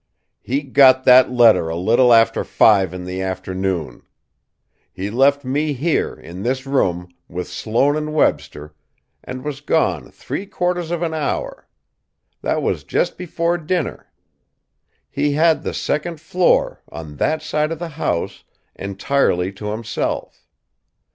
"He got that letter a little after five in the afternoon. He left me here, in this room, with Sloane and Webster, and was gone three quarters of an hour. That was just before dinner. He had the second floor, on that side of the house, entirely to himself.